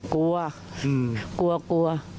กลัวกลัว